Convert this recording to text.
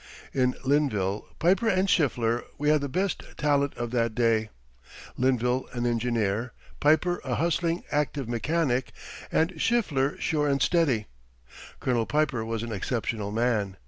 In Linville, Piper, and Schiffler, we had the best talent of that day Linville an engineer, Piper a hustling, active mechanic, and Schiffler sure and steady. Colonel Piper was an exceptional man.